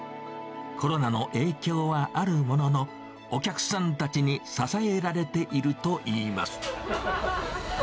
コロナの影響はあるものの、お客さんたちに支えられているといいます。